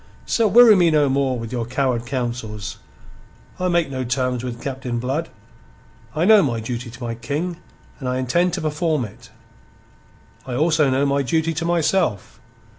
So weary me no more with your coward counsels. I make no terms with Captain Blood. I know my duty to my King, and I intend to perform it. I also know my duty to myself.